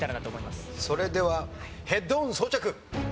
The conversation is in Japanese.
それではヘッドホン装着。